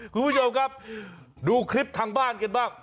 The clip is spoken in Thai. คุณผู้ชมครับดูคลิปทางบ้านกันบ้าง